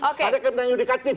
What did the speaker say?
ada kewenangan indikatif